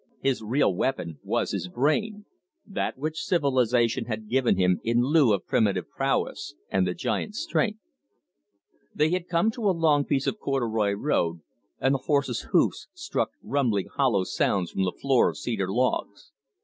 His real weapon was his brain, that which civilisation had given him in lieu of primitive prowess and the giant's strength. They had come to a long piece of corduroy road, and the horse's hoofs struck rumbling hollow sounds from the floor of cedar logs.